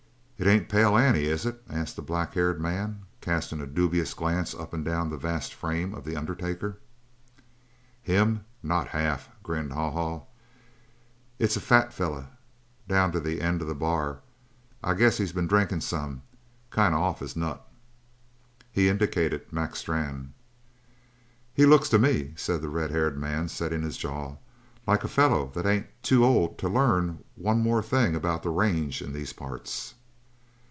"It ain't Pale Annie, is it?" asked the black haired man, casting a dubious glance up and down the vast frame of the undertaker. "Him? Not half!" grinned Haw Haw. "It's a fet feller down to the end of the bar. I guess he's been drinkin' some. Kind of off his nut." He indicated Mac Strann. "He looks to me," said the red haired man, setting his jaw, "like a feller that ain't any too old to learn one more thing about the range in these parts."